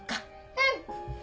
うん。